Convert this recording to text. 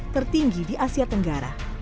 tertinggi di asia tenggara